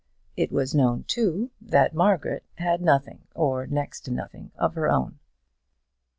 It was known, too, that Margaret had nothing, or next to nothing, of her own.